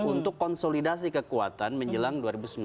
untuk konsolidasi kekuatan menjelang dua ribu sembilan belas